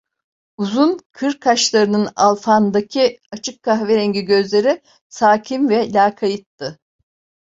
Uzun, kır kaşlarının alfandaki açık kahverengi gözleri sakin ve lakayttı.